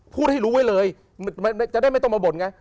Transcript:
พูดให้รู้ไว้เลยจะได้ไม่ต้องมาบ่นไง